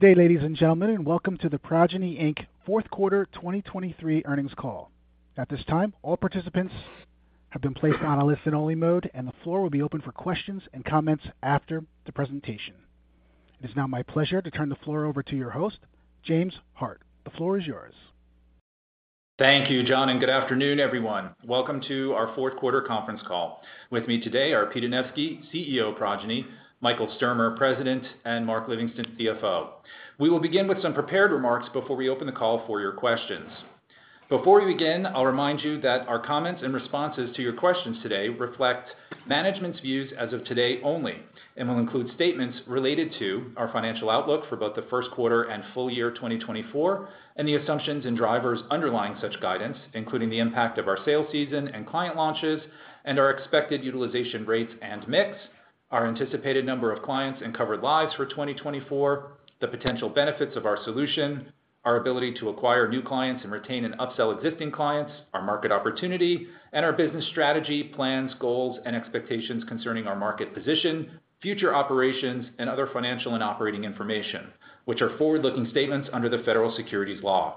Good day, ladies and gentlemen, and welcome to the Progyny, Inc. Q4 2023 earnings call. At this time, all participants have been placed on a listen-only mode, and the floor will be open for questions and comments after the presentation. It is now my pleasure to turn the floor over to your host, James Hart. The floor is yours. Thank you, John, and good afternoon, everyone. Welcome to our Q4 conference call. With me today are Pete Anevski, CEO of Progyny, Michael Sturmer, President, and Mark Livingston, CFO. We will begin with some prepared remarks before we open the call for your questions. Before we begin, I'll remind you that our comments and responses to your questions today reflect management's views as of today only, and will include statements related to our financial outlook for both the Q1 and full year 2024, and the assumptions and drivers underlying such guidance, including the impact of our sales season and client launches, and our expected utilization rates and mix, our anticipated number of clients and covered lives for 2024, the potential benefits of our solution, our ability to acquire new clients and retain and upsell existing clients, our market opportunity, and our business strategy, plans, goals, and expectations concerning our market position, future operations, and other financial and operating information, which are forward-looking statements under the federal securities laws.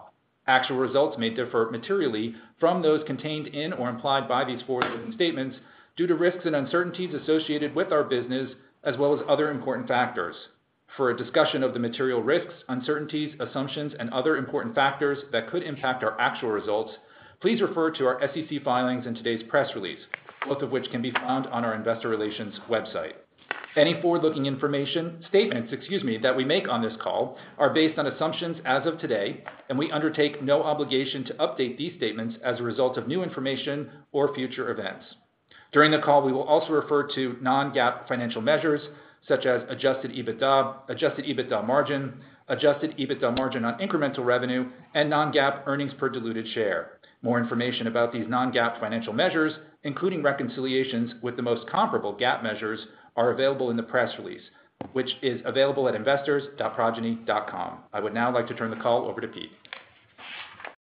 Actual results may differ materially from those contained in or implied by these forward-looking statements due to risks and uncertainties associated with our business, as well as other important factors. For a discussion of the material risks, uncertainties, assumptions, and other important factors that could impact our actual results, please refer to our SEC filings in today's press release, both of which can be found on our investor relations website. Any forward-looking information, statements, excuse me, that we make on this call are based on assumptions as of today, and we undertake no obligation to update these statements as a result of new information or future events. During the call, we will also refer to non-GAAP financial measures such as Adjusted EBITDA margin, Adjusted EBITDA margin on incremental revenue, and non-GAAP earnings per diluted share. More information about these non-GAAP financial measures, including reconciliations with the most comparable GAAP measures, are available in the press release, which is available at investors.progyny.com. I would now like to turn the call over to Pete.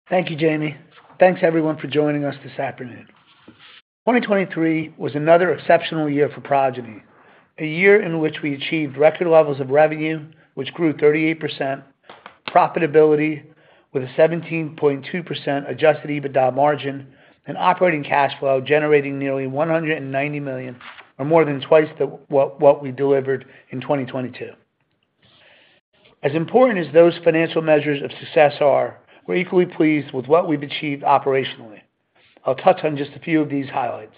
Thank you, James. Thanks, everyone, for joining us this afternoon. 2023 was another exceptional year for Progyny, a year in which we achieved record levels of revenue, which grew 38%, profitability with a Adjusted EBITDA margin, and operating cash flow, generating nearly $190 million or more than twice what we delivered in 2022. As important as those financial measures of success are, we're equally pleased with what we've achieved operationally. I'll touch on just a few of these highlights.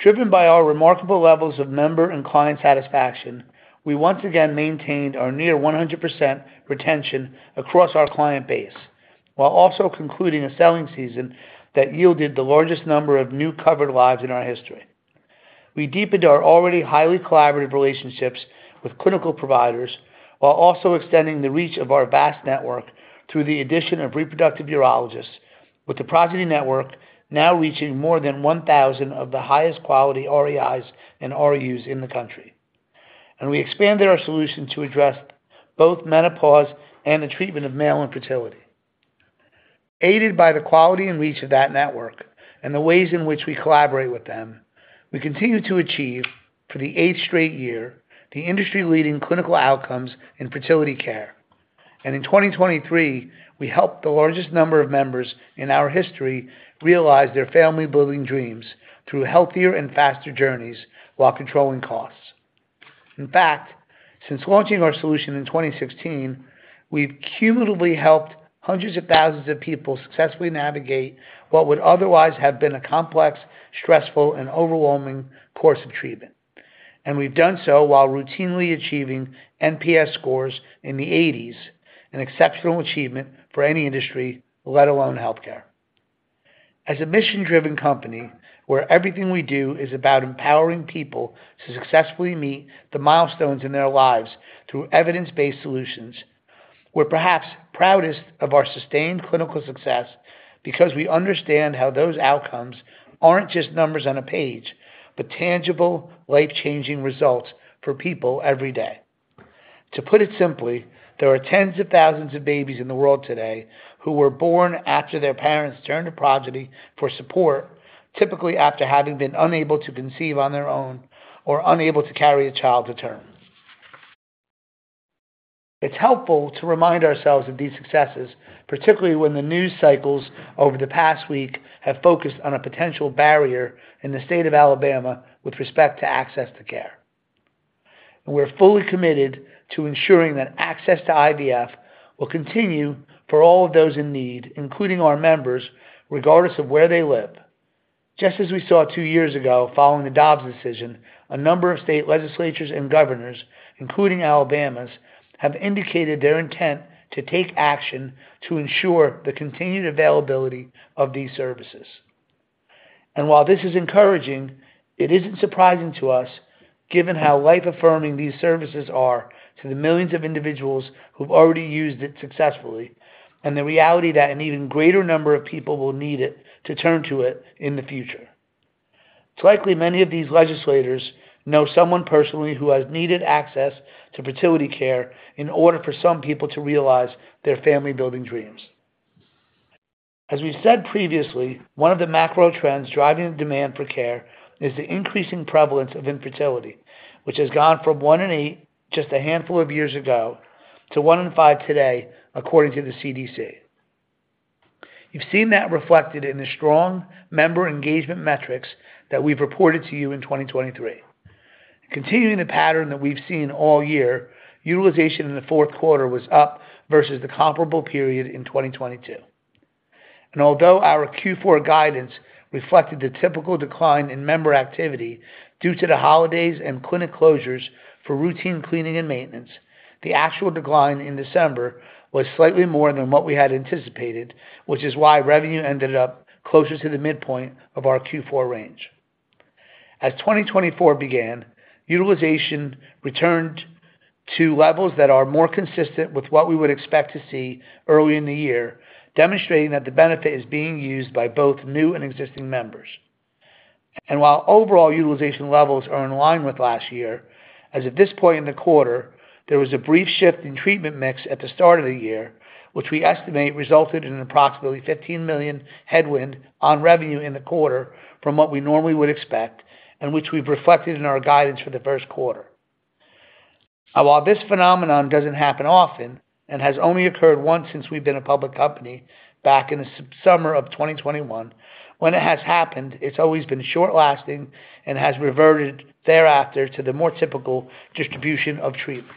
Driven by our remarkable levels of member and client satisfaction, we once again maintained our near 100% retention across our client base, while also concluding a selling season that yielded the largest number of new covered lives in our history. We deepened our already highly collaborative relationships with clinical providers, while also extending the reach of our vast network through the addition of reproductive urologists, with the Progyny network now reaching more than 1,000 of the highest quality REIs and RUs in the country. We expanded our solution to address both menopause and the treatment of male infertility. Aided by the quality and reach of that network and the ways in which we collaborate with them, we continue to achieve, for the 8th straight year, the industry-leading clinical outcomes in fertility care. In 2023, we helped the largest number of members in our history realize their family-building dreams through healthier and faster journeys while controlling costs. In fact, since launching our solution in 2016, we've cumulatively helped hundreds of thousands of people successfully navigate what would otherwise have been a complex, stressful, and overwhelming course of treatment. We've done so while routinely achieving NPS scores in the 80s, an exceptional achievement for any industry, let alone healthcare. As a mission-driven company, where everything we do is about empowering people to successfully meet the milestones in their lives through evidence-based solutions, we're perhaps proudest of our sustained clinical success because we understand how those outcomes aren't just numbers on a page, but tangible, life-changing results for people every day. To put it simply, there are tens of thousands of babies in the world today who were born after their parents turned to Progyny for support, typically after having been unable to conceive on their own or unable to carry a child to term. It's helpful to remind ourselves of these successes, particularly when the news cycles over the past week have focused on a potential barrier in the state of Alabama with respect to access to care. We're fully committed to ensuring that access to IVF will continue for all of those in need, including our members, regardless of where they live. Just as we saw two years ago, following the Dobbs Decision, a number of state legislatures and governors, including Alabama's, have indicated their intent to take action to ensure the continued availability of these services. And while this is encouraging, it isn't surprising to us, given how life-affirming these services are to the millions of individuals who've already used it successfully, and the reality that an even greater number of people will need it to turn to it in the future. It's likely many of these legislators know someone personally who has needed access to fertility care in order for some people to realize their family-building dreams. As we've said previously, one of the macro trends driving the demand for care is the increasing prevalence of infertility, which has gone from 1 in 8, just a handful of years ago, to 1 in 5 today, according to the CDC. You've seen that reflected in the strong member engagement metrics that we've reported to you in 2023. Continuing the pattern that we've seen all year, utilization in the Q4 was up versus the comparable period in 2022. Although our Q4 guidance reflected the typical decline in member activity due to the holidays and clinic closures for routine cleaning and maintenance, the actual decline in December was slightly more than what we had anticipated, which is why revenue ended up closer to the midpoint of our Q4 range. As 2024 began, utilization returned to levels that are more consistent with what we would expect to see early in the year, demonstrating that the benefit is being used by both new and existing members. While overall utilization levels are in line with last year, as at this point in the quarter, there was a brief shift in treatment mix at the start of the year, which we estimate resulted in approximately $15 million headwind on revenue in the quarter from what we normally would expect, and which we've reflected in our guidance for the Q1. While this phenomenon doesn't happen often and has only occurred once since we've been a public company back in the summer of 2021, when it has happened, it's always been short-lasting and has reverted thereafter to the more typical distribution of treatments.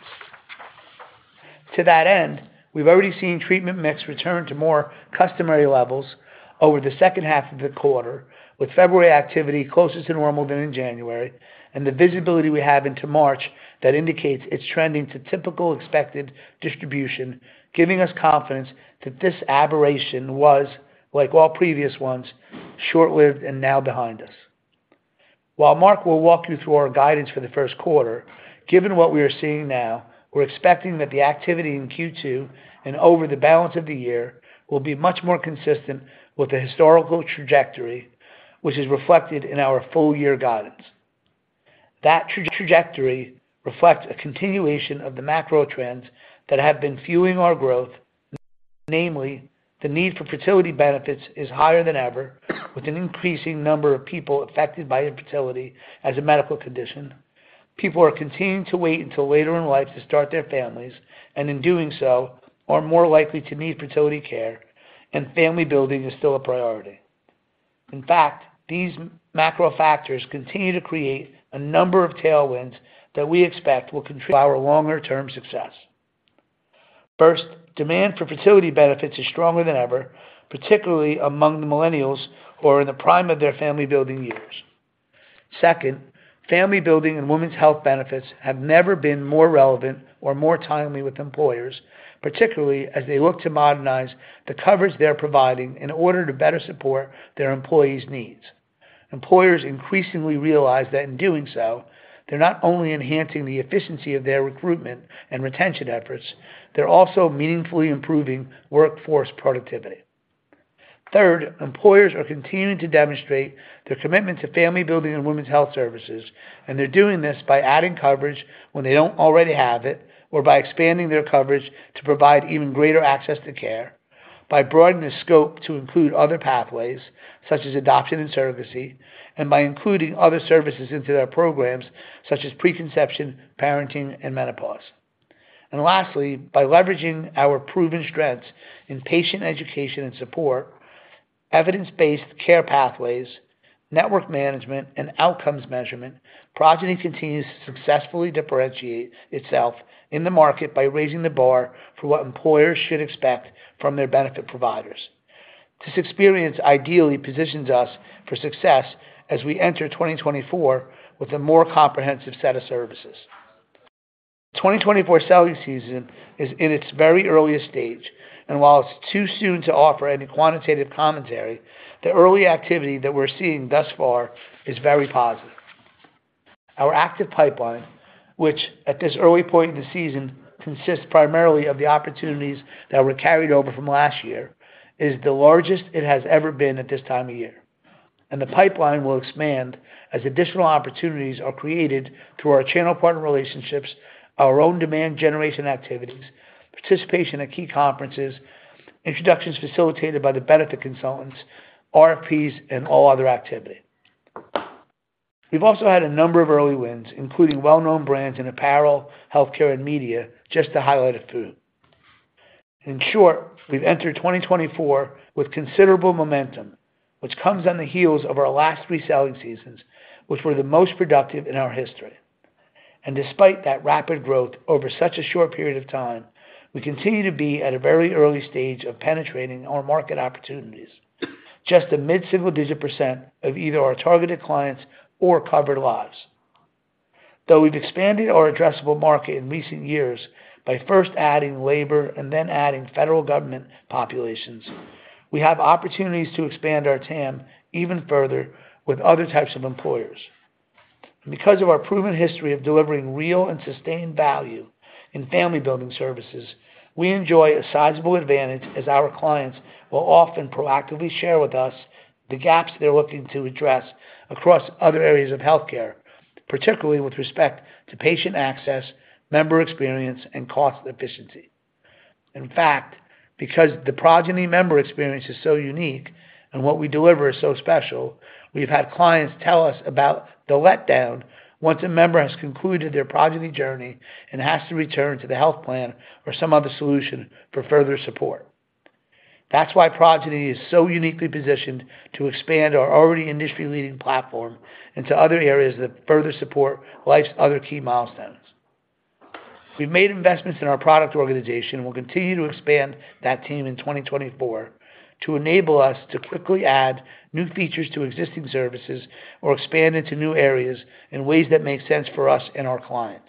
To that end, we've already seen treatment mix return to more customary levels over the second half of the quarter, with February activity closer to normal than in January, and the visibility we have into March that indicates it's trending to typical expected distribution, giving us confidence that this aberration was, like all previous ones, short-lived and now behind us. While Mark will walk you through our guidance for the Q1, given what we are seeing now, we're expecting that the activity in Q2 and over the balance of the year will be much more consistent with the historical trajectory, which is reflected in our full-year guidance. That trajectory reflects a continuation of the macro trends that have been fueling our growth. Namely, the need for fertility benefits is higher than ever, with an increasing number of people affected by infertility as a medical condition. People are continuing to wait until later in life to start their families, and in doing so, are more likely to need fertility care, and family building is still a priority. In fact, these macro factors continue to create a number of tailwinds that we expect will contribute to our longer-term success. First, demand for fertility benefits is stronger than ever, particularly among the millennials who are in the prime of their family-building years. Second, family building and women's health benefits have never been more relevant or more timely with employers, particularly as they look to modernize the coverage they're providing in order to better support their employees' needs. Employers increasingly realize that in doing so, they're not only enhancing the efficiency of their recruitment and retention efforts, they're also meaningfully improving workforce productivity. Third, employers are continuing to demonstrate their commitment to family building and women's health services, and they're doing this by adding coverage when they don't already have it, or by expanding their coverage to provide even greater access to care, by broadening the scope to include other pathways, such as adoption and surrogacy, and by including other services into their programs, such as preconception, parenting, and menopause. Lastly, by leveraging our proven strengths in patient education and support, evidence-based care pathways, network management, and outcomes measurement, Progyny continues to successfully differentiate itself in the market by raising the bar for what employers should expect from their benefit providers. This experience ideally positions us for success as we enter 2024 with a more comprehensive set of services. 2024 selling season is in its very earliest stage, and while it's too soon to offer any quantitative commentary, the early activity that we're seeing thus far is very positive. Our active pipeline, which, at this early point in the season, consists primarily of the opportunities that were carried over from last year, is the largest it has ever been at this time of year. The pipeline will expand as additional opportunities are created through our channel partner relationships, our own demand generation activities, participation in key conferences, introductions facilitated by the benefit consultants, RFPs, and all other activity. We've also had a number of early wins, including well-known brands in apparel, healthcare, and media, just to highlight a few. In short, we've entered 2024 with considerable momentum, which comes on the heels of our last three selling seasons, which were the most productive in our history. And despite that rapid growth over such a short period of time, we continue to be at a very early stage of penetrating our market opportunities. Just a mid-single-digit % of either our targeted clients or covered lives. Though we've expanded our addressable market in recent years by first adding labor and then adding federal government populations, we have opportunities to expand our TAM even further with other types of employers. Because of our proven history of delivering real and sustained value in family building services, we enjoy a sizable advantage, as our clients will often proactively share with us the gaps they're looking to address across other areas of healthcare, particularly with respect to patient access, member experience, and cost efficiency.... In fact, because the Progyny member experience is so unique and what we deliver is so special, we've had clients tell us about the letdown once a member has concluded their Progyny journey and has to return to the health plan or some other solution for further support. That's why Progyny is so uniquely positioned to expand our already industry-leading platform into other areas that further support life's other key milestones. We've made investments in our product organization, and we'll continue to expand that team in 2024 to enable us to quickly add new features to existing services or expand into new areas in ways that make sense for us and our clients.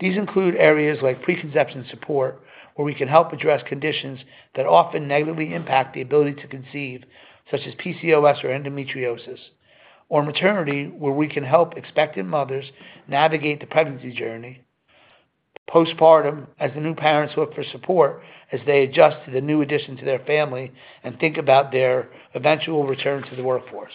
These include areas like preconception support, where we can help address conditions that often negatively impact the ability to conceive, such as PCOS or endometriosis, or maternity, where we can help expectant mothers navigate the pregnancy journey, postpartum, as the new parents look for support as they adjust to the new addition to their family and think about their eventual return to the workforce.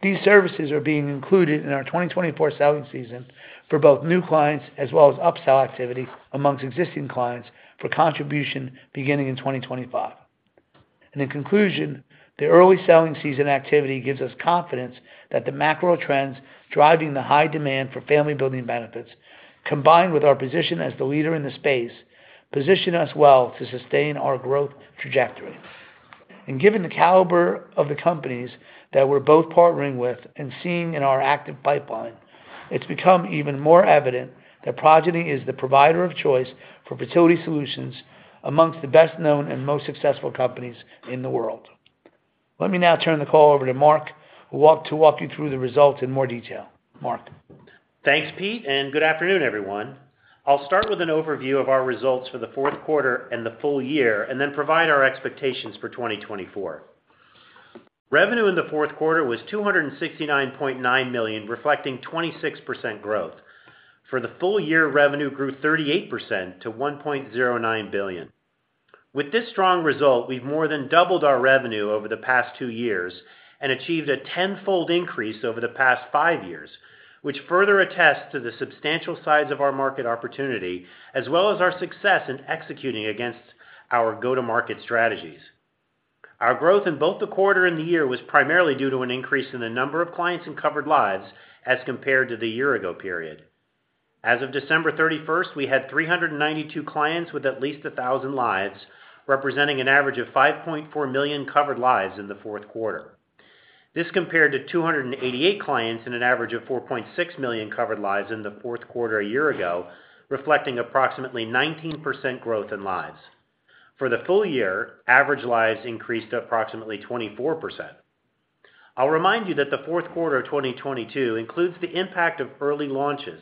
These services are being included in our 2024 selling season for both new clients as well as upsell activity amongst existing clients for contribution beginning in 2025. In conclusion, the early selling season activity gives us confidence that the macro trends driving the high demand for family-building benefits, combined with our position as the leader in the space, position us well to sustain our growth trajectory. Given the caliber of the companies that we're both partnering with and seeing in our active pipeline, it's become even more evident that Progyny is the provider of choice for fertility solutions amongst the best-known and most successful companies in the world. Let me now turn the call over to Mark, who will walk you through the results in more detail. Mark? Thanks, Pete, and good afternoon, everyone. I'll start with an overview of our results for the Q4 and the full year, and then provide our expectations for 2024. Revenue in the Q4 was $269.9 million, reflecting 26% growth. For the full year, revenue grew 38% to $1.09 billion. With this strong result, we've more than doubled our revenue over the past 2 years and achieved a tenfold increase over the past 5 years, which further attests to the substantial size of our market opportunity, as well as our success in executing against our go-to-market strategies. Our growth in both the quarter and the year was primarily due to an increase in the number of clients and covered lives as compared to the year-ago period. As of December 31, we had 392 clients with at least 1,000 lives, representing an average of 5.4 million covered lives in the Q4. This compared to 288 clients in an average of 4.6 million covered lives in the Q4 a year ago, reflecting approximately 19% growth in lives. For the full year, average lives increased to approximately 24%. I'll remind you that the Q4 of 2022 includes the impact of early launches,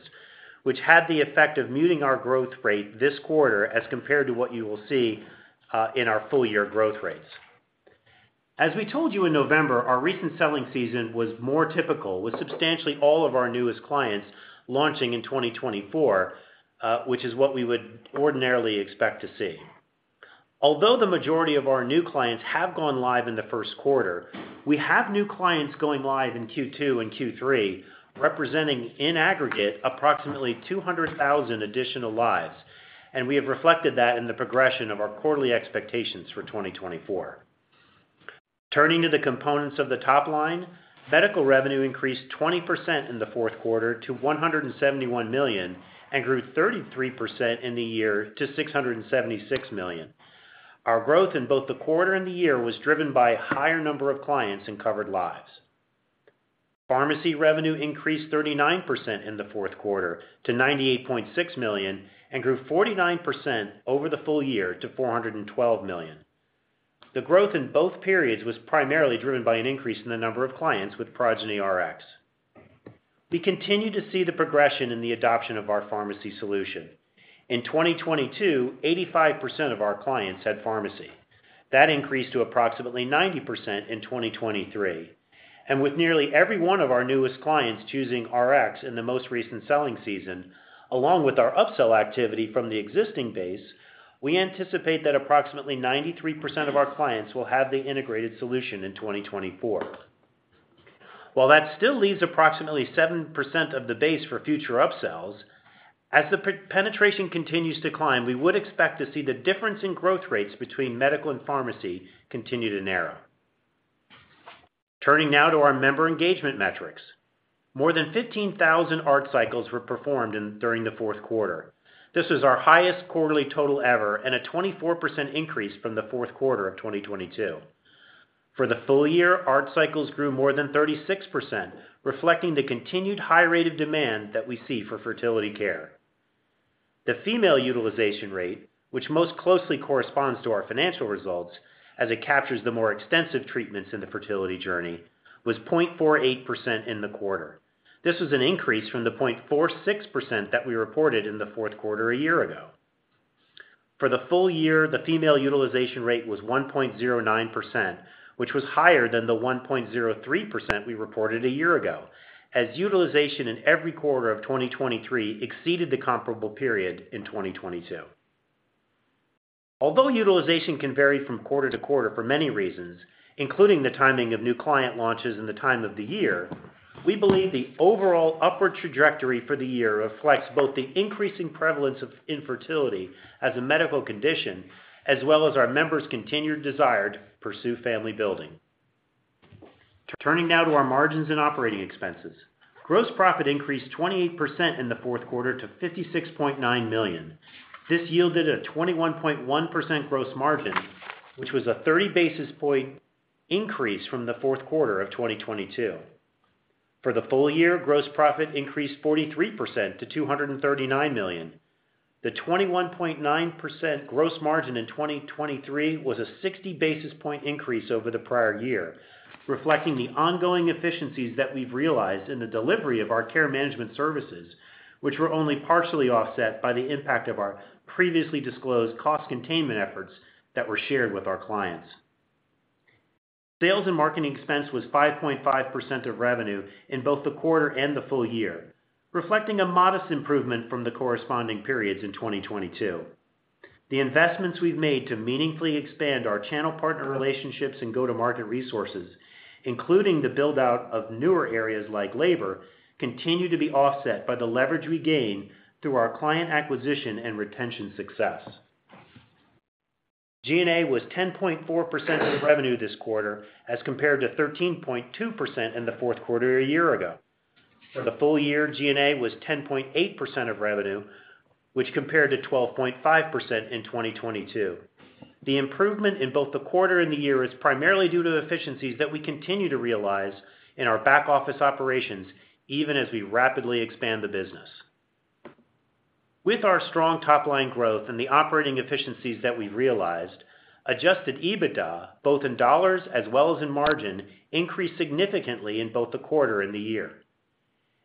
which had the effect of muting our growth rate this quarter as compared to what you will see in our full year growth rates. As we told you in November, our recent selling season was more typical, with substantially all of our newest clients launching in 2024, which is what we would ordinarily expect to see. Although the majority of our new clients have gone live in the Q1, we have new clients going live in Q2 and Q3, representing, in aggregate, approximately 200,000 additional lives, and we have reflected that in the progression of our quarterly expectations for 2024. Turning to the components of the top line, medical revenue increased 20% in the Q4 to $171 million, and grew 33% in the year to $676 million. Our growth in both the quarter and the year was driven by a higher number of clients in covered lives. Pharmacy revenue increased 39% in the Q4 to $98.6 million, and grew 49% over the full year to $412 million. The growth in both periods was primarily driven by an increase in the number of clients with Progyny Rx. We continue to see the progression in the adoption of our pharmacy solution. In 2022, 85% of our clients had pharmacy. That increased to approximately 90% in 2023. And with nearly every one of our newest clients choosing Rx in the most recent selling season, along with our upsell activity from the existing base, we anticipate that approximately 93% of our clients will have the integrated solution in 2024. While that still leaves approximately 7% of the base for future upsells, as the penetration continues to climb, we would expect to see the difference in growth rates between medical and pharmacy continue to narrow. Turning now to our member engagement metrics. More than 15,000 ART cycles were performed during the Q4. This was our highest quarterly total ever, and a 24% increase from the Q4 of 2022. For the full year, ART cycles grew more than 36%, reflecting the continued high rate of demand that we see for fertility care. The female utilization rate, which most closely corresponds to our financial results, as it captures the more extensive treatments in the fertility journey, was 0.48% in the quarter. This was an increase from the 0.46% that we reported in the Q4 a year ago. For the full year, the female utilization rate was 1.09%, which was higher than the 1.03% we reported a year ago, as utilization in every quarter of 2023 exceeded the comparable period in 2022. Although utilization can vary from quarter to quarter for many reasons, including the timing of new client launches and the time of the year, we believe the overall upward trajectory for the year reflects both the increasing prevalence of infertility as a medical condition, as well as our members' continued desire to pursue family building. Turning now to our margins and operating expenses. Gross profit increased 28% in the Q4 to $56.9 million. This yielded a 21.1% gross margin, which was a 30 basis point increase from the Q4 of 2022. For the full year, gross profit increased 43% to $239 million. The 21.9% gross margin in 2023 was a 60 basis point increase over the prior year, reflecting the ongoing efficiencies that we've realized in the delivery of our care management services, which were only partially offset by the impact of our previously disclosed cost containment efforts that were shared with our clients. Sales and marketing expense was 5.5% of revenue in both the quarter and the full year, reflecting a modest improvement from the corresponding periods in 2022. The investments we've made to meaningfully expand our channel partner relationships and go-to-market resources, including the build-out of newer areas like labor, continue to be offset by the leverage we gain through our client acquisition and retention success. G&A was 10.4% of revenue this quarter, as compared to 13.2% in the Q4 a year ago. For the full year, G&A was 10.8% of revenue, which compared to 12.5% in 2022. The improvement in both the quarter and the year is primarily due to efficiencies that we continue to realize in our back-office operations, even as we rapidly expand the business. With our strong top-line growth and the operating efficiencies that we've realized, Adjusted EBITDA, both in dollars as well as in margin, increased significantly in both the quarter and the year.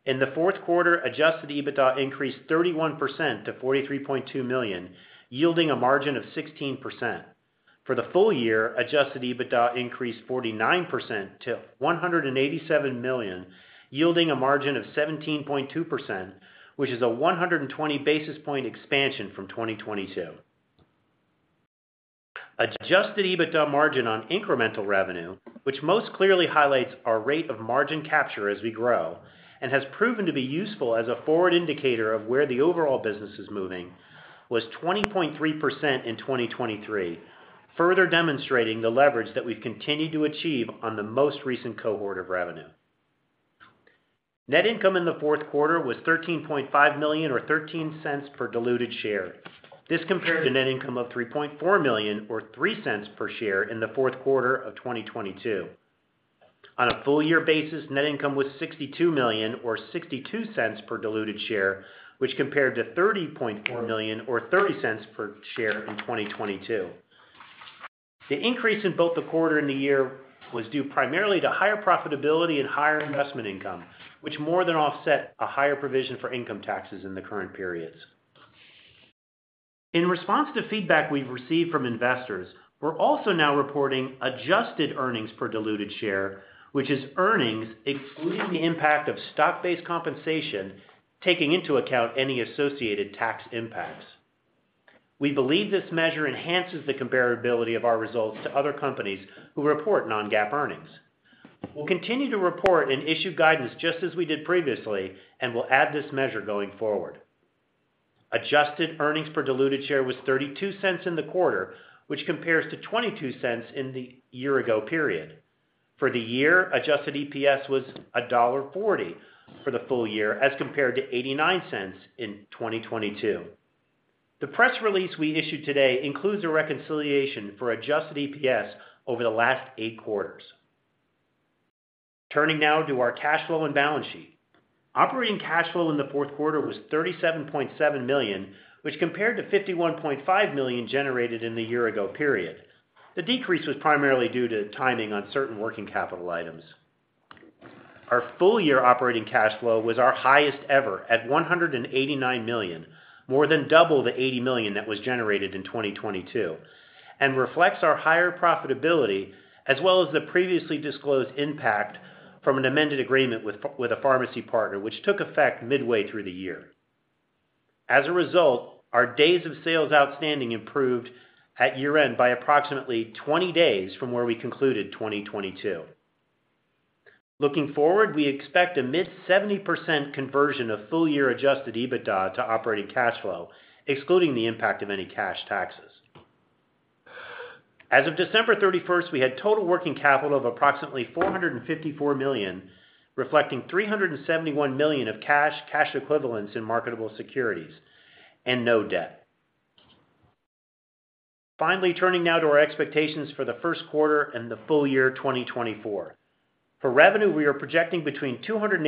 In the Q4, Adjusted EBITDA increased 31% to $43.2 million, yielding a margin of 16%. For the full year, Adjusted EBITDA increased 49% to $187 million, yielding a margin of 17.2%, which is a 120 basis point expansion from 2022. Adjusted EBITDA margin on incremental revenue, which most clearly highlights our rate of margin capture as we grow, and has proven to be useful as a forward indicator of where the overall business is moving, was 20.3% in 2023, further demonstrating the leverage that we've continued to achieve on the most recent cohort of revenue. Net income in the Q4 was $13.5 million or $0.13 per diluted share. This compares to net income of $3.4 million or $0.03 per share in the Q4 of 2022. On a full year basis, net income was $62 million or $0.62 per diluted share, which compared to $30.4 million or $0.30 per share in 2022. The increase in both the quarter and the year was due primarily to higher profitability and higher investment income, which more than offset a higher provision for income taxes in the current periods. In response to feedback we've received from investors, we're also now reporting adjusted earnings per diluted share, which is earnings excluding the impact of stock-based compensation, taking into account any associated tax impacts. We believe this measure enhances the comparability of our results to other companies who report non-GAAP earnings. We'll continue to report and issue guidance just as we did previously, and we'll add this measure going forward. Adjusted earnings per diluted share was $0.32 in the quarter, which compares to $0.22 in the year-ago period. For the year, Adjusted EPS was $1.40 for the full year, as compared to $0.89 in 2022. The press release we issued today includes a reconciliation for Adjusted EPS over the last 8 quarters. Turning now to our cash flow and balance sheet. Operating cash flow in the Q4 was $37.7 million, which compared to $51.5 million generated in the year-ago period. The decrease was primarily due to timing on certain working capital items. Our full year operating cash flow was our highest ever at $189 million, more than double the $80 million that was generated in 2022, and reflects our higher profitability, as well as the previously disclosed impact from an amended agreement with a pharmacy partner, which took effect midway through the year. As a result, our days of sales outstanding improved at year-end by approximately 20 days from where we concluded 2022. Looking forward, we expect a mid-70% conversion of full-year Adjusted EBITDA to operating cash flow, excluding the impact of any cash taxes. As of December 31, we had total working capital of approximately $454 million, reflecting $371 million of cash, cash equivalents and marketable securities, and no debt. Finally, turning now to our expectations for the Q1 and the full year 2024. For revenue, we are projecting between $285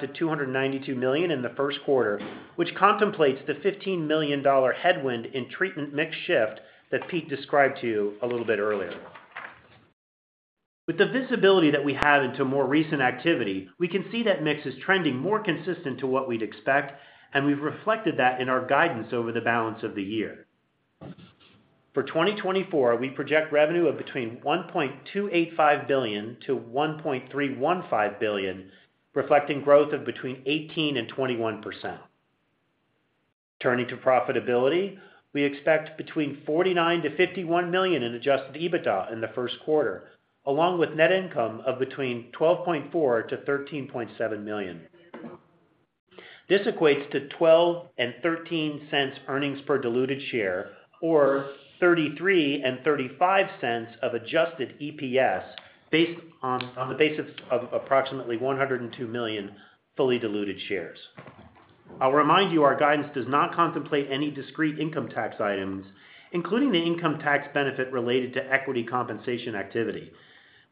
million-$292 million in the Q1, which contemplates the $15 million headwind in treatment mix shift that Pete described to you a little bit earlier. With the visibility that we have into more recent activity, we can see that mix is trending more consistent to what we'd expect, and we've reflected that in our guidance over the balance of the year. For 2024, we project revenue of between $1.285 billion-$1.315 billion, reflecting growth of between 18% and 21%.... Turning to profitability, we expect between $49 million-$51 million in Adjusted EBITDA in the Q1, along with net income of between $12.4 million-$13.7 million. This equates to $0.12-$0.13 earnings per diluted share, or $0.33-$0.35 of Adjusted EPS, based on the basis of approximately 102 million fully diluted shares. I'll remind you, our guidance does not contemplate any discrete income tax items, including the income tax benefit related to equity compensation activity.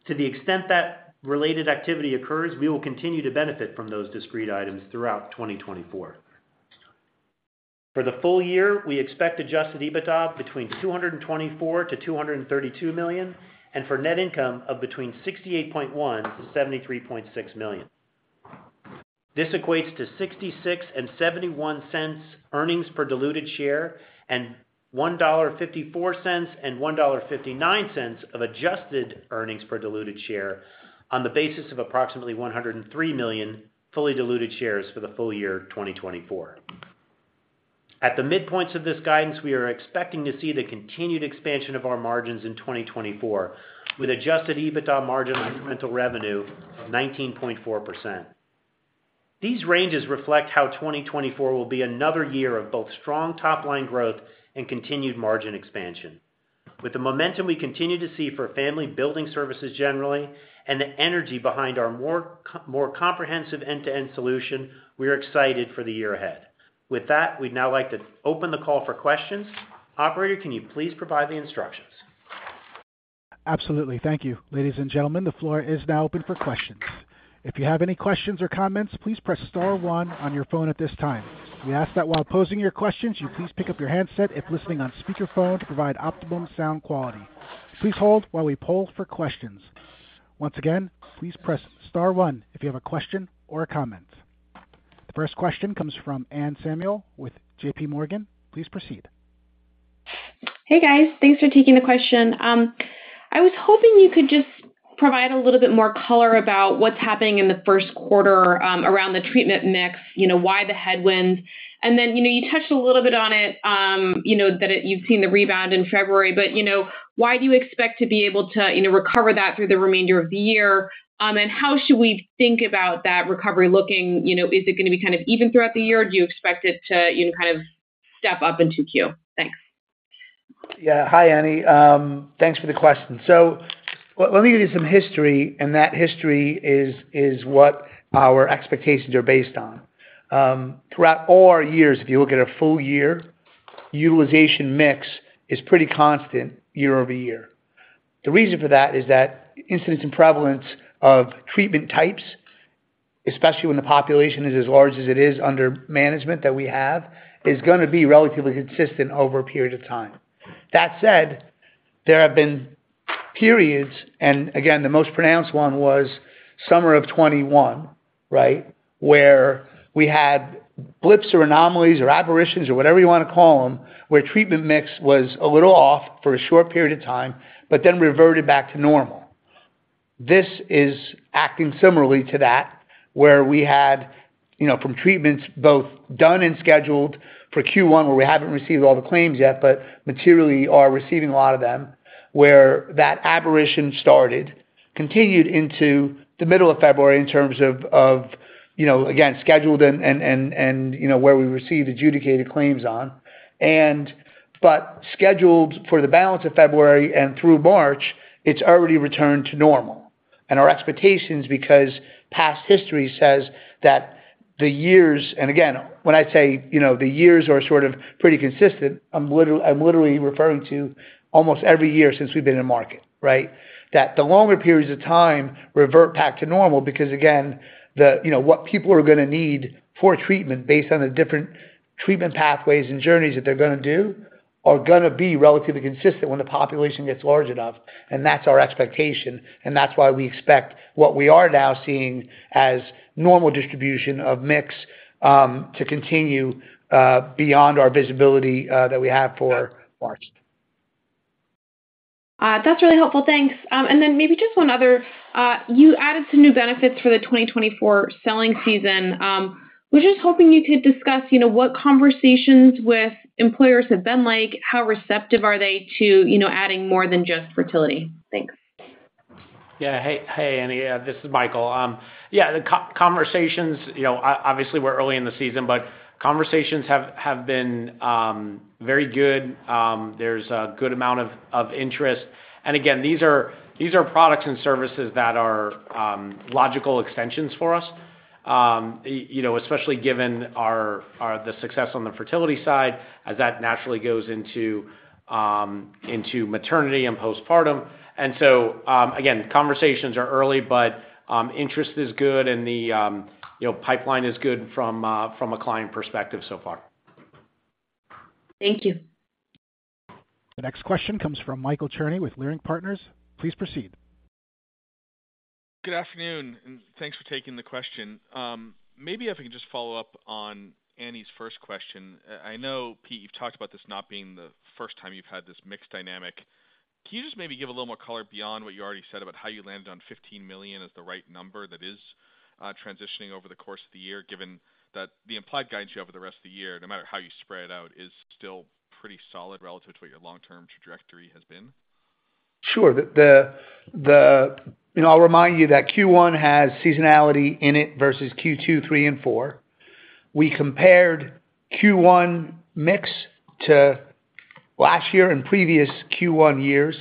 To the extent that related activity occurs, we will continue to benefit from those discrete items throughout 2024. For the full year, we expect Adjusted EBITDA between $224 million-$232 million, and for net income of between $68.1 million-$73.6 million. This equates to $0.66-$0.71 earnings per diluted share, and $1.54-$1.59 of adjusted earnings per diluted share on the basis of approximately 103 million fully diluted shares for the full year 2024. At the midpoints of this guidance, we are expecting to see the continued expansion of our margins in 2024, with Adjusted EBITDA margin on incremental revenue of 19.4%. These ranges reflect how 2024 will be another year of both strong top line growth and continued margin expansion. With the momentum we continue to see for family building services generally, and the energy behind our more comprehensive end-to-end solution, we are excited for the year ahead. With that, we'd now like to open the call for questions. Operator, can you please provide the instructions? Absolutely. Thank you. Ladies and gentlemen, the floor is now open for questions. If you have any questions or comments, please press star one on your phone at this time. We ask that while posing your questions, you please pick up your handset if listening on speaker phone to provide optimum sound quality. Please hold while we poll for questions. Once again, please press star one if you have a question or a comment. The first question comes from Anne Samuel with JP Morgan. Please proceed. Hey, guys. Thanks for taking the question. I was hoping you could just provide a little bit more color about what's happening in the Q1, around the treatment mix, you know, why the headwinds? And then, you know, you touched a little bit on it, you know, that you've seen the rebound in February, but, you know, why do you expect to be able to, you know, recover that through the remainder of the year? And how should we think about that recovery looking... You know, is it gonna be kind of even throughout the year, or do you expect it to, you know, kind of step up in 2Q? Thanks. Yeah. Hi, Anne. Thanks for the question. So let me give you some history, and that history is what our expectations are based on. Throughout all our years, if you look at a full year, utilization mix is pretty constant year-over-year. The reason for that is that incidence and prevalence of treatment types, especially when the population is as large as it is under management that we have, is gonna be relatively consistent over a period of time. That said, there have been periods, and again, the most pronounced one was summer of 2021, right? Where we had blips or anomalies or aberrations or whatever you wanna call them, where treatment mix was a little off for a short period of time, but then reverted back to normal. This is acting similarly to that, where we had, you know, from treatments, both done and scheduled for Q1, where we haven't received all the claims yet, but materially are receiving a lot of them, where that aberration started, continued into the middle of February in terms of, you know, again, scheduled and, you know, where we received adjudicated claims on. But scheduled for the balance of February and through March, it's already returned to normal. And our expectations, because past history says that the years, and again, when I say, you know, the years are sort of pretty consistent, I'm literally referring to almost every year since we've been in the market, right? That the longer periods of time revert back to normal, because again, the, you know, what people are gonna need for treatment based on the different treatment pathways and journeys that they're gonna do, are gonna be relatively consistent when the population gets large enough, and that's our expectation, and that's why we expect what we are now seeing as normal distribution of mix to continue that we have for March. That's really helpful. Thanks. And then maybe just one other. You added some new benefits for the 2024 selling season. Was just hoping you could discuss, you know, what conversations with employers have been like? How receptive are they to, you know, adding more than just fertility? Thanks. Yeah. Hey, hey, Annie, this is Michael. Yeah, the conversations, you know, obviously we're early in the season, but conversations have been very good. There's a good amount of interest. And again, these are products and services that are logical extensions for us. You know, especially given our success on the fertility side, as that naturally goes into maternity and postpartum. And so, again, conversations are early, but interest is good and the, you know, pipeline is good from a client perspective so far. Thank you. The next question comes from Michael Cherny with Leerink Partners. Please proceed. Good afternoon, and thanks for taking the question. Maybe if I can just follow up on Annie's first question. I know, Pete, you've talked about this not being the first time you've had this mixed dynamic.... Can you just maybe give a little more color beyond what you already said about how you landed on $15 million as the right number that is, transitioning over the course of the year, given that the implied guidance you have for the rest of the year, no matter how you spread it out, is still pretty solid relative to what your long-term trajectory has been? Sure. The-- You know, I'll remind you that Q1 has seasonality in it versus Q2, three, and four. We compared Q1 mix to last year and previous Q1 years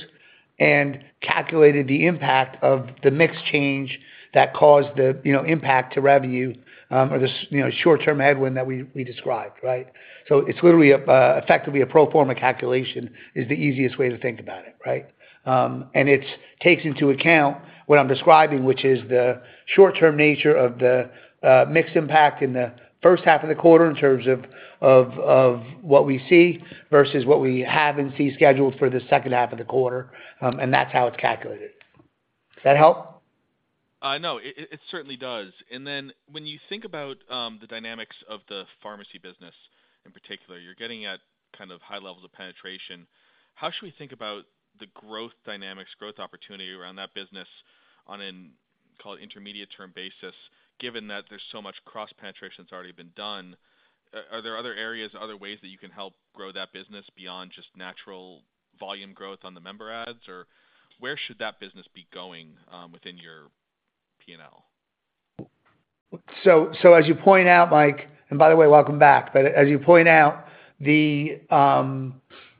and calculated the impact of the mix change that caused the, you know, impact to revenue, or the-- you know, short-term headwind that we, we described, right? So it's literally, effectively a pro forma calculation, is the easiest way to think about it, right? And it takes into account what I'm describing, which is the short-term nature of the, mixed impact in the first half of the quarter in terms of, of, of what we see, versus what we have and see scheduled for the second half of the quarter. And that's how it's calculated. Does that help? No, it certainly does. And then when you think about the dynamics of the pharmacy business, in particular, you're getting at kind of high levels of penetration. How should we think about the growth dynamics, growth opportunity around that business on an, call it, intermediate-term basis, given that there's so much cross-penetration that's already been done, are there other areas, other ways that you can help grow that business beyond just natural volume growth on the member adds? Or where should that business be going within your P&L? So as you point out, Mike, and by the way, welcome back. But as you point out, the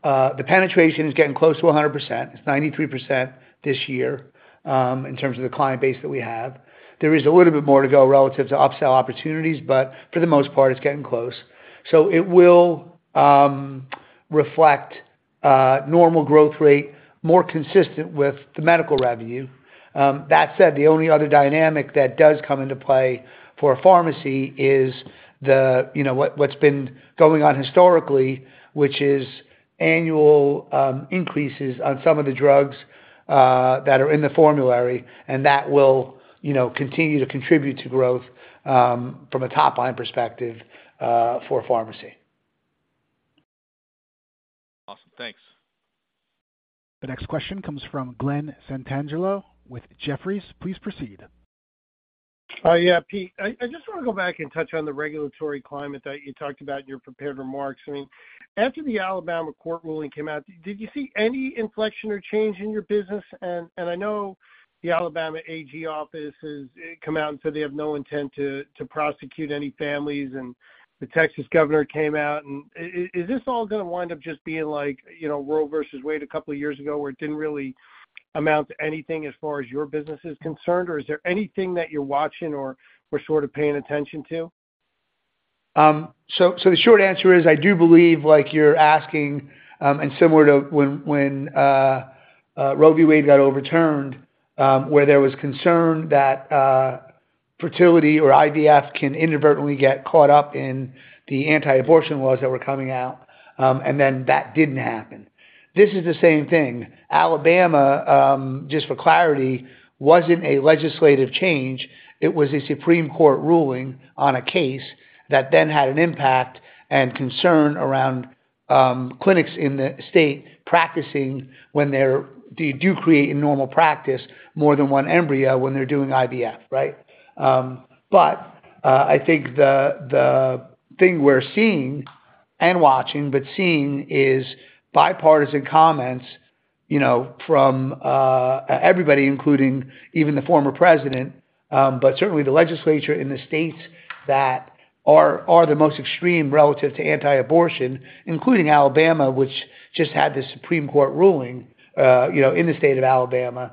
penetration is getting close to 100%. It's 93% this year, in terms of the client base that we have. There is a little bit more to go relative to upsell opportunities, but for the most part, it's getting close. So it will reflect normal growth rate, more consistent with the medical revenue. That said, the only other dynamic that does come into play for a pharmacy is, you know, what's been going on historically, which is annual increases on some of the drugs that are in the formulary, and that will, you know, continue to contribute to growth from a top-line perspective for pharmacy. Awesome. Thanks. The next question comes from Glenn Santangelo with Jefferies. Please proceed. Yeah, Pete, I just wanna go back and touch on the regulatory climate that you talked about in your prepared remarks. I mean, after the Alabama court ruling came out, did you see any inflection or change in your business? And I know the Alabama AG office has come out and said they have no intent to prosecute any families, and the Texas governor came out and... Is this all gonna wind up just being like, you know, Roe v. Wade a couple of years ago, where it didn't really amount to anything as far as your business is concerned? Or is there anything that you're watching or sort of paying attention to? So, the short answer is, I do believe, like you're asking, and similar to when Roe v. Wade got overturned, where there was concern that fertility or IVF can inadvertently get caught up in the anti-abortion laws that were coming out, and then that didn't happen. This is the same thing. Alabama, just for clarity, wasn't a legislative change, it was a Supreme Court ruling on a case that then had an impact and concern around clinics in the state practicing when they do create in normal practice, more than one embryo when they're doing IVF, right? But I think the thing we're seeing and watching, but seeing, is bipartisan comments, you know, from everybody, including even the former president, but certainly the legislature in the states that are the most extreme relative to anti-abortion, including Alabama, which just had this Supreme Court ruling, you know, in the state of Alabama,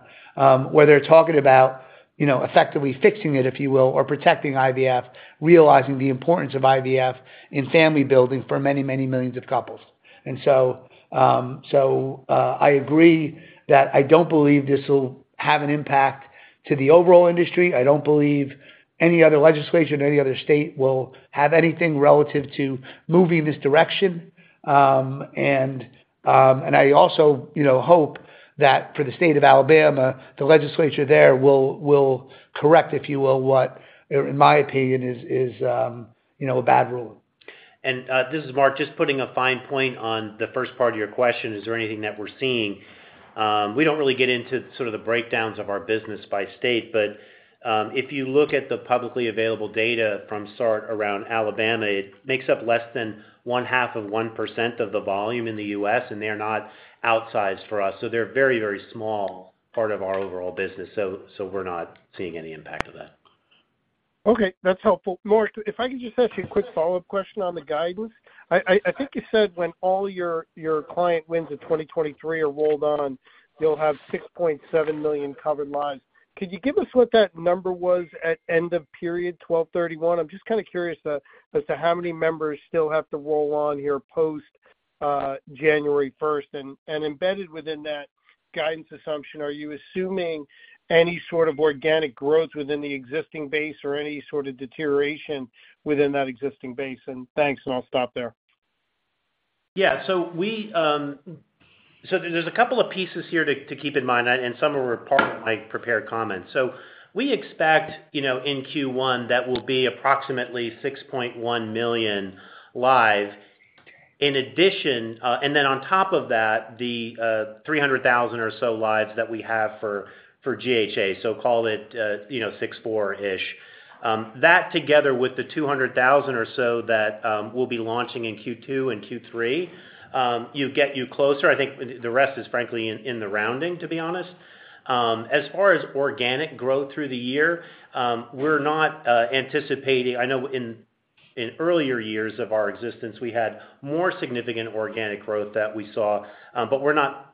where they're talking about, you know, effectively fixing it, if you will, or protecting IVF, realizing the importance of IVF in family building for many, many millions of couples. And so, so, I agree that I don't believe this will have an impact to the overall industry. I don't believe any other legislation, any other state will have anything relative to moving this direction. I also, you know, hope that for the state of Alabama, the legislature there will correct, if you will, what, in my opinion, is a bad ruling. This is Mark. Just putting a fine point on the first part of your question, is there anything that we're seeing? We don't really get into sort of the breakdowns of our business by state, but, if you look at the publicly available data from SART around Alabama, it makes up less than 0.5% of the volume in the U.S., and they're not outsized for us. So they're very, very small part of our overall business, so, so we're not seeing any impact of that. Okay, that's helpful. Mark, if I could just ask you a quick follow-up question on the guidance? I think you said when all your client wins in 2023 are rolled on, you'll have 6.7 million covered lives. Could you give us what that number was at end of period 12/31/2023? I'm just kind of curious as to how many members still have to roll on here post January 1st. And embedded within that guidance assumption, are you assuming any sort of organic growth within the existing base or any sort of deterioration within that existing base? And thanks, and I'll stop there. Yeah. So we so there's a couple of pieces here to, to keep in mind, and, and some were part of my prepared comments. So we expect, you know, in Q1, that will be approximately 6.1 million live. ...In addition, and then on top of that, the 300,000 or so lives that we have for GEHA, so call it, you know, 640-ish. That together with the 200,000 or so that we'll be launching in Q2 and Q3, you get closer. I think the rest is frankly in the rounding, to be honest. As far as organic growth through the year, we're not anticipating. I know in earlier years of our existence, we had more significant organic growth that we saw, but we're not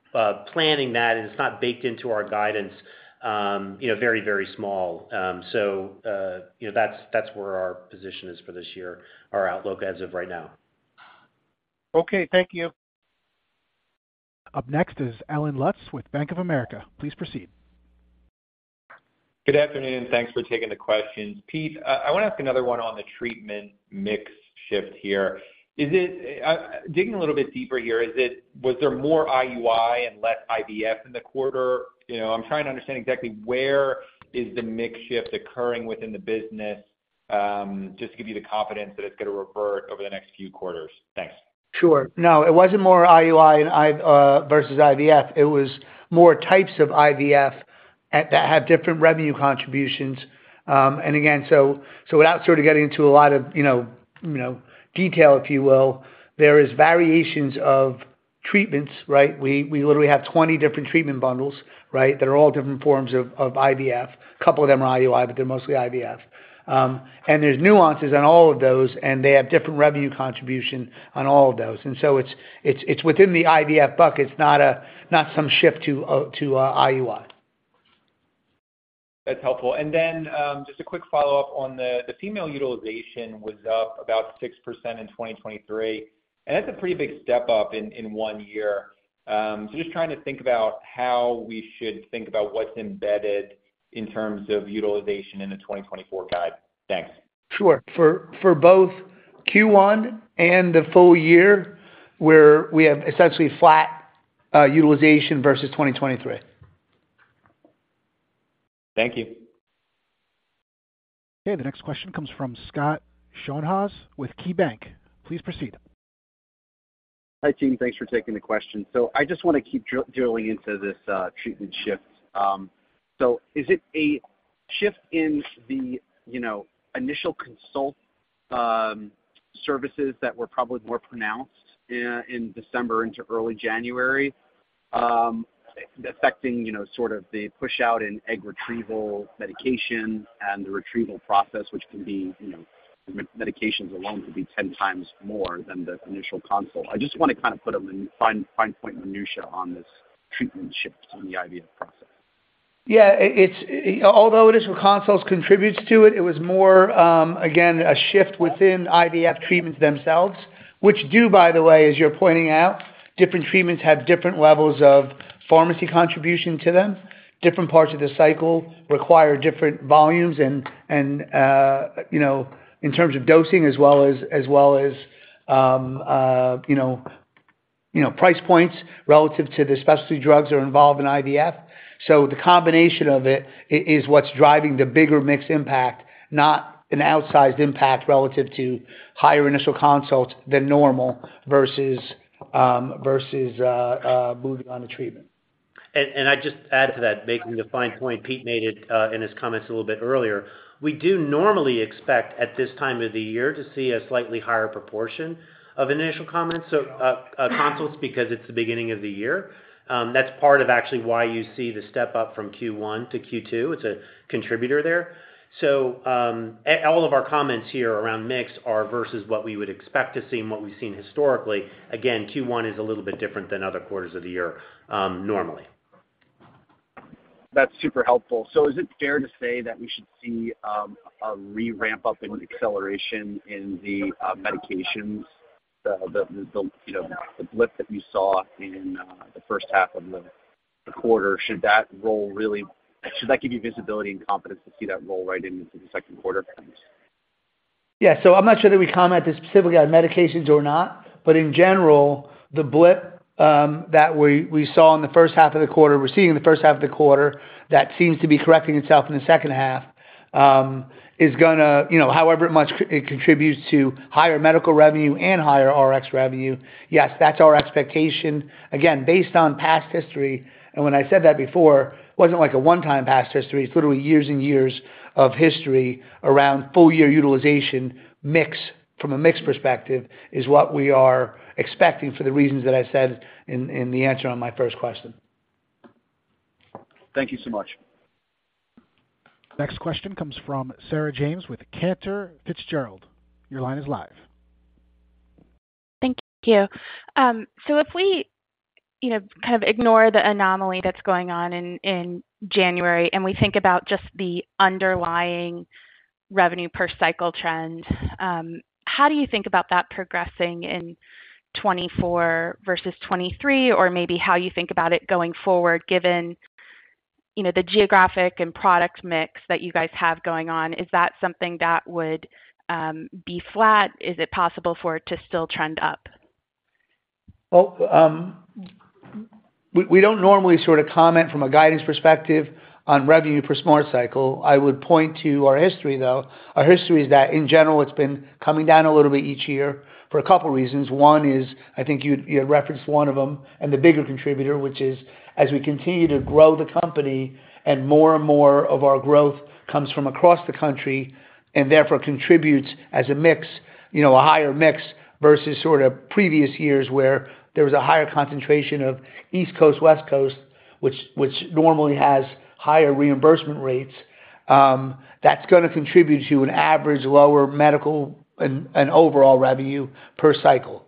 planning that, and it's not baked into our guidance, you know, very, very small. So, you know, that's where our position is for this year, our outlook as of right now. Okay, thank you. Up next is Allen Lutz with Bank of America. Please proceed. Good afternoon, thanks for taking the questions. Pete, I wanna ask another one on the treatment mix shift here. Is it, digging a little bit deeper here, is it, was there more IUI and less IVF in the quarter? You know, I'm trying to understand exactly where is the mix shift occurring within the business, just to give you the confidence that it's gonna revert over the next few quarters. Thanks. Sure. No, it wasn't more IUI and versus IVF, it was more types of IVF that have different revenue contributions. And again, so without sort of getting into a lot of, you know, detail, if you will, there is variations of treatments, right? We literally have 20 different treatment bundles, right? That are all different forms of IVF. A couple of them are IUI, but they're mostly IVF. And there's nuances on all of those, and they have different revenue contribution on all of those. And so it's within the IVF bucket, it's not some shift to IUI. That's helpful. And then, just a quick follow-up on the female utilization was up about 6% in 2023, and that's a pretty big step up in one year. So just trying to think about how we should think about what's embedded in terms of utilization in the 2024 guide. Thanks. Sure. For both Q1 and the full year, we have essentially flat utilization versus 2023. Thank you. Okay, the next question comes from Scott Schoenhaus with KeyBanc. Please proceed. Hi, team. Thanks for taking the question. So I just want to keep drilling into this treatment shift. So is it a shift in the, you know, initial consult services that were probably more pronounced in December into early January affecting, you know, sort of the push out in egg retrieval medication and the retrieval process, which can be, you know, medications alone could be 10 times more than the initial consult. I just want to kind of put a fine point on the minutiae of this treatment shift on the IVF process. Yeah, it's although initial consults contributes to it, it was more, again, a shift within IVF treatments themselves, which do, by the way, as you're pointing out, different treatments have different levels of pharmacy contribution to them. Different parts of the cycle require different volumes and, you know, in terms of dosing as well as, you know, price points relative to the specialty drugs that are involved in IVF. So the combination of it is what's driving the bigger mixed impact, not an outsized impact relative to higher initial consults than normal versus moving on the treatment. And I'd just add to that, making the fine point Pete made it in his comments a little bit earlier. We do normally expect, at this time of the year, to see a slightly higher proportion of initial comments, so consults, because it's the beginning of the year. That's part of actually why you see the step up from Q1 to Q2. It's a contributor there. All of our comments here around mix are versus what we would expect to see and what we've seen historically. Again, Q1 is a little bit different than other quarters of the year, normally. That's super helpful. So is it fair to say that we should see a re-ramp up in acceleration in the medications, you know, the blip that we saw in the first half of the quarter? Should that roll really- should that give you visibility and confidence to see that roll right into the Q2? Thanks. Yeah. So I'm not sure that we comment this specifically on medications or not, but in general, the blip that we saw in the first half of the quarter, we're seeing in the first half of the quarter, that seems to be correcting itself in the second half, is gonna, you know, however much it contributes to higher medical revenue and higher RX revenue, yes, that's our expectation. Again, based on past history, and when I said that before, it wasn't like a one-time past history, it's literally years and years of history around full year utilization mix, from a mix perspective, is what we are expecting for the reasons that I said in the answer on my first question. Thank you so much. Next question comes from Sarah James with Cantor Fitzgerald. Your line is live. Thank you. So if we, you know, kind of ignore the anomaly that's going on in January, and we think about just the underlying revenue per cycle trend, how do you think about that progressing in 2024 versus 2023? Or maybe how you think about it going forward, given, you know, the geographic and product mix that you guys have going on, is that something that would be flat? Is it possible for it to still trend up? Well, we don't normally sort of comment from a guidance perspective on revenue per Smart Cycle. I would point to our history, though. Our history is that, in general, it's been coming down a little bit each year for a couple reasons. One is, I think you, you had referenced one of them, and the bigger contributor, which is, as we continue to grow the company and more and more of our growth comes from across the country, and therefore contributes as a mix, you know, a higher mix versus sort of previous years, where there was a higher concentration of East Coast, West Coast, which normally has higher reimbursement rates, that's gonna contribute to an average lower medical and overall revenue per cycle.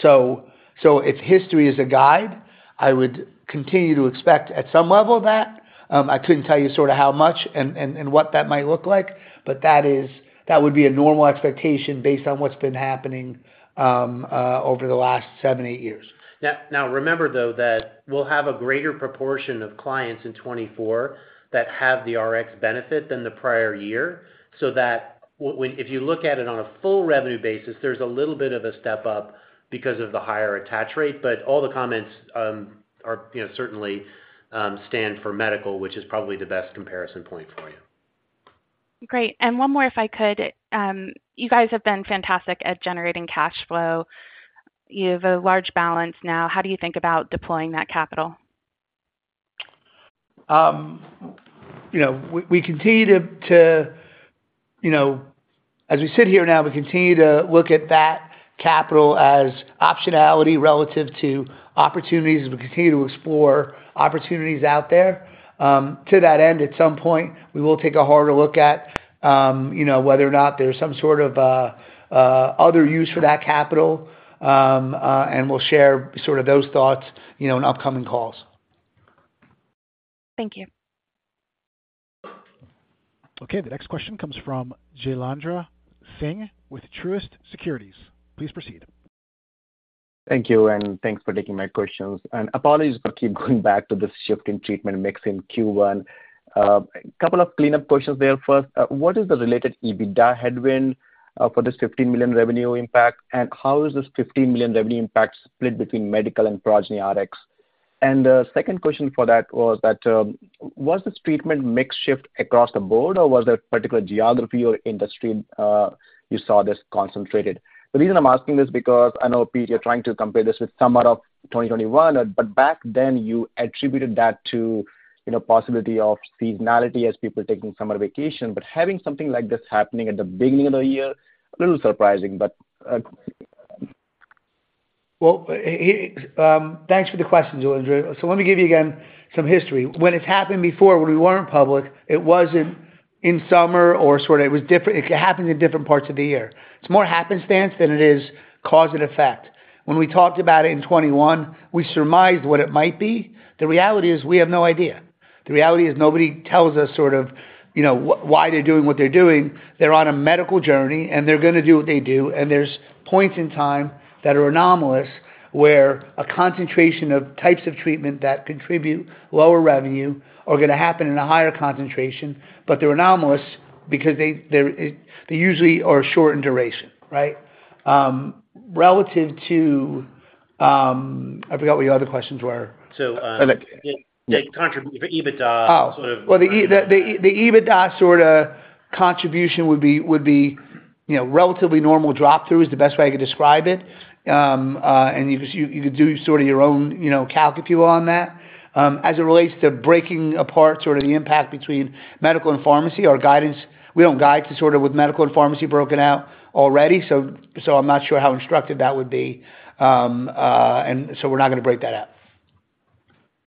So if history is a guide, I would continue to expect at some level that, I couldn't tell you sort of how much and what that might look like, but that is, that would be a normal expectation based on what's been happening, over the last 7, 8 years. Now, now remember, though, that we'll have a greater proportion of clients in 2024 that have the Rx benefit than the prior year, so that when if you look at it on a full revenue basis, there's a little bit of a step up because of the higher attach rate, but all the comments are, you know, certainly stand for medical, which is probably the best comparison point for you. Great. And one more, if I could. You guys have been fantastic at generating cash flow. You have a large balance now. How do you think about deploying that capital? You know, as we sit here now, we continue to look at that capital as optionality relative to opportunities, as we continue to explore opportunities out there. To that end, at some point, we will take a harder look at, you know, whether or not there's some sort of other use for that capital. And we'll share sort of those thoughts, you know, on upcoming calls. Thank you. Okay. The next question comes from Jailendra Singh with Truist Securities. Please proceed. Thank you, and thanks for taking my questions. And apologies, I keep going back to this shift in treatment mix in Q1. Couple of cleanup questions there. First, what is the related EBITDA headwind for this $15 million revenue impact? And how is this $15 million revenue impact split between medical and Progyny Rx? And the second question... was this treatment mix shift across the board, or was there particular geography or industry you saw this concentrated? The reason I'm asking this because I know, Pete, you're trying to compare this with summer of 2021, but back then, you attributed that to, you know, possibility of seasonality as people taking summer vacation. But having something like this happening at the beginning of the year, a little surprising, but, Well, thanks for the question, Jailendra. So let me give you again some history. When it's happened before, when we weren't public, it wasn't in summer or sort of it was different, it happened in different parts of the year. It's more happenstance than it is cause and effect. When we talked about it in 2021, we surmised what it might be. The reality is, we have no idea. The reality is nobody tells us sort of, you know, why they're doing what they're doing. They're on a medical journey, and they're gonna do what they do, and there's points in time that are anomalous, where a concentration of types of treatment that contribute lower revenue are gonna happen in a higher concentration. But they're anomalous because they're usually short in duration, right? Relative to, I forgot what your other questions were. So, uh- Okay. the EBITDA sort of- Well, the EBITDA sorta contribution would be, you know, relatively normal drop through, is the best way I could describe it. And you just could do sort of your own, you know, calc, if you will, on that. As it relates to breaking apart sort of the impact between medical and pharmacy, our guidance, we don't guide to sort of with medical and pharmacy broken out already, so I'm not sure how instructive that would be. And so we're not gonna break that out.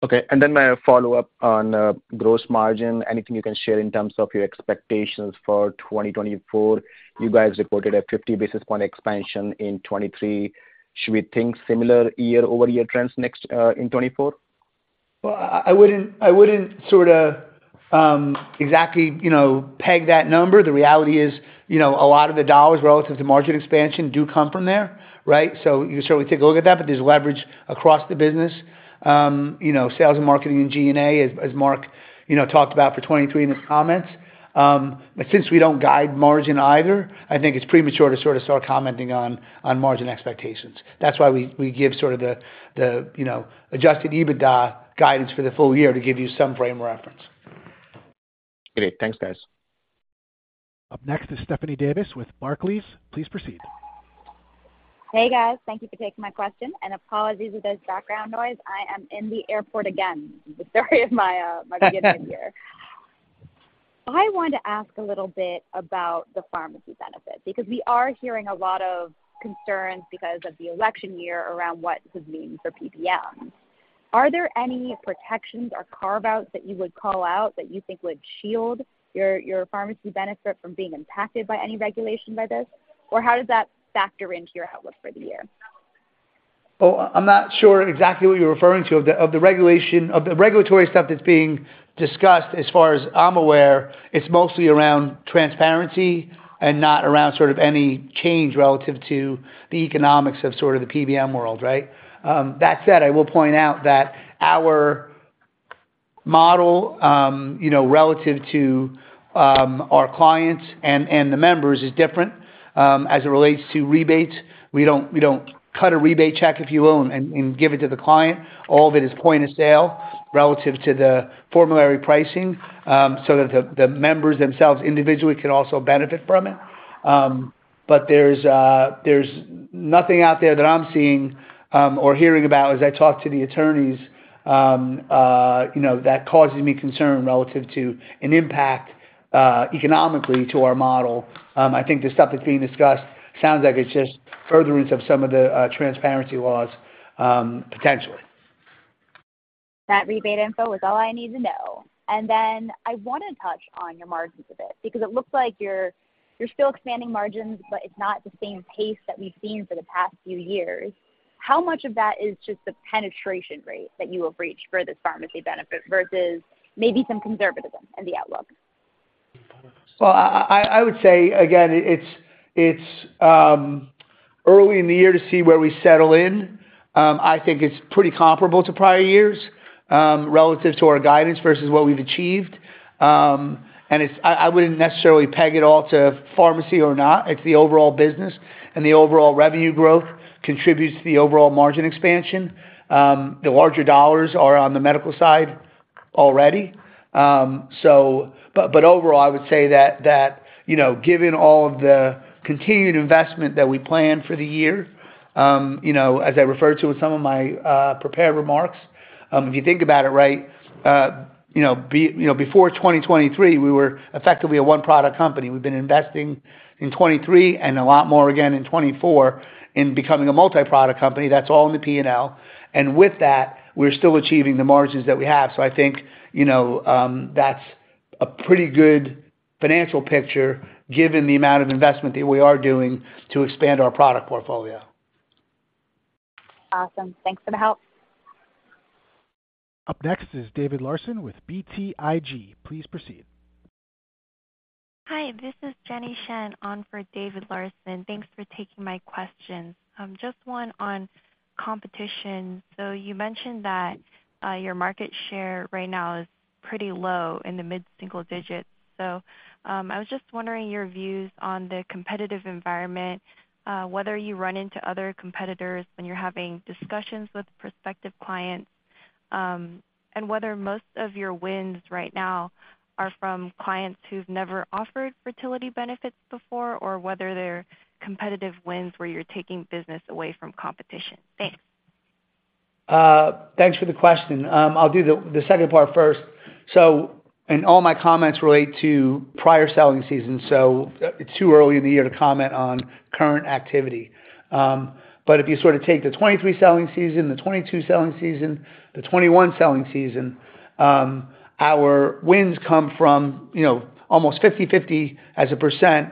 Okay, and then my follow-up on gross margin. Anything you can share in terms of your expectations for 2024? You guys reported a 50 basis point expansion in 2023. Should we think similar year-over-year trends next in 2024? Well, I wouldn't sorta exactly, you know, peg that number. The reality is, you know, a lot of the dollars relative to margin expansion do come from there, right? So you can certainly take a look at that, but there's leverage across the business. You know, sales and marketing, and G&A, as Mark, you know, talked about for 2023 in his comments. But since we don't guide margin either, I think it's premature to sort of start commenting on margin expectations. That's why we give sort of the, you know, Adjusted EBITDA guidance for the full year to give you some frame reference. Great. Thanks, guys. Up next is Stephanie Davis with Barclays. Please proceed. Hey, guys. Thank you for taking my question. Apologies for this background noise. I am in the airport again. The story of my beginning year. I wanted to ask a little bit about the pharmacy benefit, because we are hearing a lot of concerns because of the election year around what this means for PBM. Are there any protections or carve-outs that you would call out that you think would shield your pharmacy benefit from being impacted by any regulation by this? Or how does that factor into your outlook for the year? Oh, I'm not sure exactly what you're referring to. Of the regulation, the regulatory stuff that's being discussed, as far as I'm aware, it's mostly around transparency and not around sort of any change relative to the economics of sort of the PBM world, right? That said, I will point out that our model, you know, relative to our clients and the members is different. As it relates to rebates, we don't cut a rebate check, if you will, and give it to the client. All of it is point of sale relative to the formulary pricing, so that the members themselves individually can also benefit from it. But there's nothing out there that I'm seeing or hearing about as I talk to the attorneys, you know, that causes me concern relative to an impact, economically to our model. I think the stuff that's being discussed sounds like it's just furtherance of some of the transparency laws, potentially. That rebate info was all I need to know. Then I wanna touch on your margins a bit, because it looks like you're, you're still expanding margins, but it's not the same pace that we've seen for the past few years. How much of that is just the penetration rate that you have reached for this pharmacy benefit versus maybe some conservatism in the outlook? Well, I would say again, it's early in the year to see where we settle in. I think it's pretty comparable to prior years relative to our guidance versus what we've achieved. And it's. I wouldn't necessarily peg it all to pharmacy or not. It's the overall business, and the overall revenue growth contributes to the overall margin expansion. The larger dollars are on the medical side already. So but overall, I would say that, you know, given all of the continued investment that we planned for the year, you know, as I referred to in some of my prepared remarks, if you think about it, right, you know, before 2023, we were effectively a one-product company. We've been investing in 2023 and a lot more again in 2024, in becoming a multi-product company. That's all in the P&L. With that, we're still achieving the margins that we have. I think, you know, that's a pretty good financial picture given the amount of investment that we are doing to expand our product portfolio. Awesome. Thanks for the help. Up next is David Larsen with BTIG. Please proceed. Hi, this is Jenny Shen on for David Larsen. Thanks for taking my questions. Just one on competition. So you mentioned that your market share right now is pretty low, in the mid-single digits. So, I was just wondering your views on the competitive environment, whether you run into other competitors when you're having discussions with prospective clients, and whether most of your wins right now are from clients who've never offered fertility benefits before, or whether they're competitive wins where you're taking business away from competition. Thanks. Thanks for the question. I'll do the second part first. And all my comments relate to prior selling seasons, so it's too early in the year to comment on current activity. But if you sort of take the 2023 selling season, the 2022 selling season, the 2021 selling season, our wins come from, you know, almost 50/50 as a percent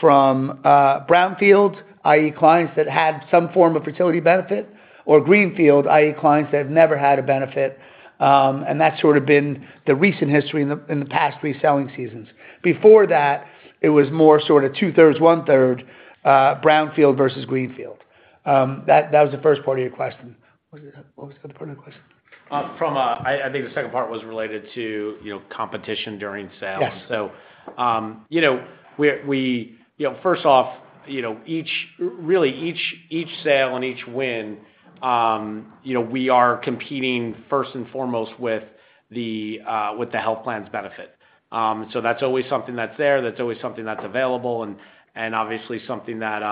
from brownfield, i.e., clients that had some form of fertility benefit or greenfield, i.e., clients that have never had a benefit, and that's sort of been the recent history in the past 3 selling seasons. Before that, it was more sort of 2/3, 1/3 brownfield versus greenfield. That was the first part of your question. What was the other part of the question? I think the second part was related to, you know, competition during sales. Yes. So, you know, we, we, you know, first off, you know, each really each sale and each win, you know, we are competing first and foremost with the health plans benefit. So that's always something that's there, that's always something that's available and obviously something that,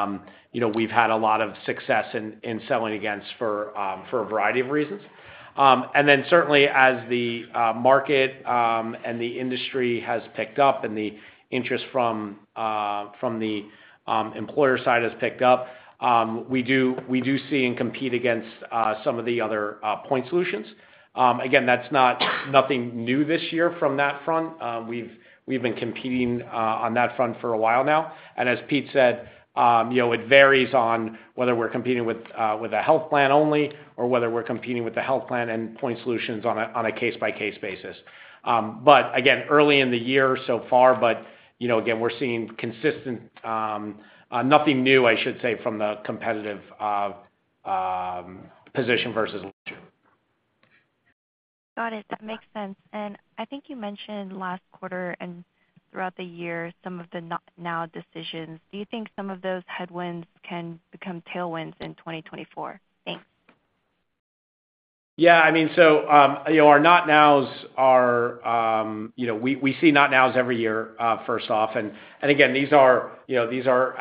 you know, we've had a lot of success in selling against for a variety of reasons. And then certainly as the market and the industry has picked up and the interest from the employer side has picked up, we do see and compete against some of the other point solutions. Again, that's not nothing new this year from that front. We've, we've been competing on that front for a while now, and as Pete said, you know, it varies on whether we're competing with with a health plan only, or whether we're competing with the health plan and point solutions on a case-by-case basis. But again, early in the year so far, but, you know, again, we're seeing consistent nothing new, I should say, from the competitive position versus last year. Got it. That makes sense. And I think you mentioned last quarter and throughout the year, some of the Not Now decisions. Do you think some of those headwinds can become tailwinds in 2024? Thanks. Yeah, I mean, so, you know, our not nows are, you know, we, we see not nows every year, first off, and, and again, these are, you know, these are,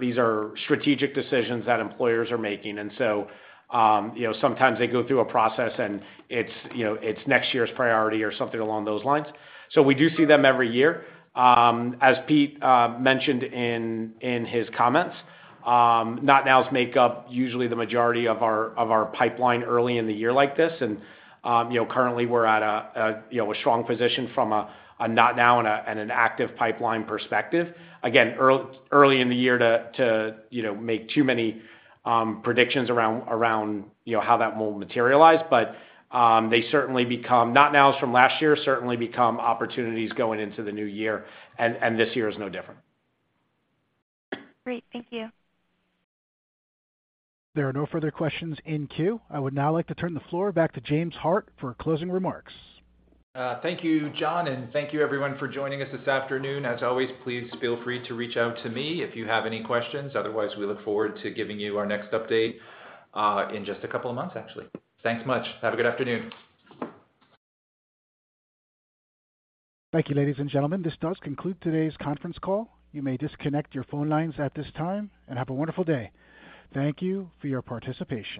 these are strategic decisions that employers are making. And so, you know, sometimes they go through a process and it's, you know, it's next year's priority or something along those lines. So we do see them every year. As Pete mentioned in, in his comments, not nows make up usually the majority of our, of our pipeline early in the year like this. And, you know, currently we're at a, a, you know, a strong position from a, a not now and a, and an active pipeline perspective. Again, it's too early in the year to, you know, make too many predictions around, you know, how that will materialize. But they certainly become Not Nows from last year, certainly become opportunities going into the new year, and this year is no different. Great. Thank you. There are no further questions in queue. I would now like to turn the floor back to James Hart for closing remarks. Thank you, John, and thank you everyone for joining us this afternoon. As always, please feel free to reach out to me if you have any questions. Otherwise, we look forward to giving you our next update in just a couple of months, actually. Thanks much. Have a good afternoon. Thank you, ladies and gentlemen. This does conclude today's conference call. You may disconnect your phone lines at this time and have a wonderful day. Thank you for your participation.